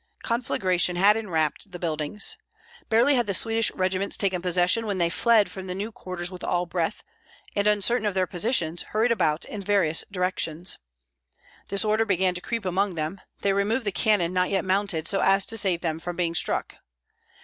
Conflagration had enwrapped the buildings. Barely had the Swedish regiments taken possession when they fled from the new quarters with all breath, and, uncertain of their positions, hurried about in various directions. Disorder began to creep among them; they removed the cannon not yet mounted, so as to save them from being struck.